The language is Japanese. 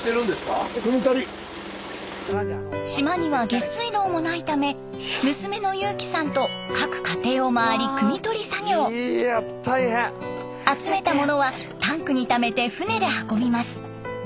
島には下水道もないため娘の侑季さんと各家庭を回り集めたものはタンクにためて船で運びます。